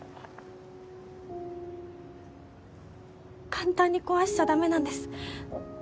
簡単に壊しちゃダメなんです。